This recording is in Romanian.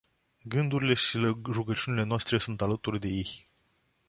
Gândurile și rugăciunile noastre sunt alături de ei.